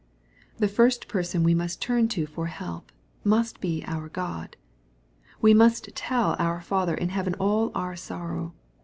The first person we must turn to for help, must be our God. We must tell our Father in heaven all our sorrow.